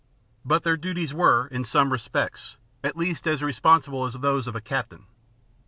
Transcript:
But their duties were, in some respects, at least as responsible as those of a captain.